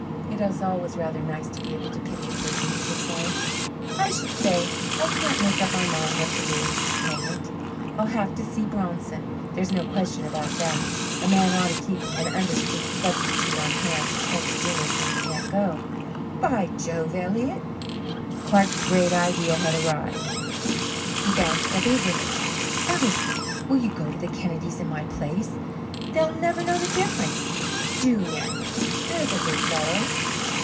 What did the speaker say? It is always rather nice to be able to pity a person you dislike. "I should say so. I can't make up my mind what to do. Hang it. I'll have to see Bronson. There's no question about that. A man ought to keep an understood substitute on hand to send to dinners when he can't go. By Jove! Elliott!" Clark's Great Idea had arrived. He bounced up eagerly. "Elliott, will you go to the Kennedys' in my place? They'll never know the difference. Do, now there's a good fellow!"